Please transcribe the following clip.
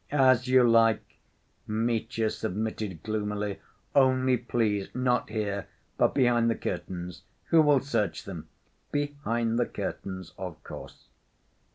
"As you like," Mitya submitted gloomily; "only, please, not here, but behind the curtains. Who will search them?" "Behind the curtains, of course."